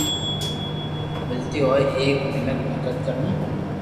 ملتي ھوئي ايڪ مينک ڀگت ڪنو